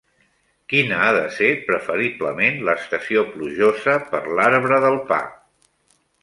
Quina ha de ser preferiblement l'estació plujosa per l'arbre del pa?